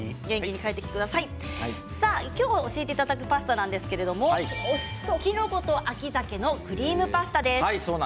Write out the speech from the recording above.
今日教えてくださるパスタなんですがきのこと秋ざけのクリームパスタです。